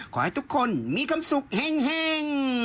ขอให้ทุกคนมีความสุขเห็ง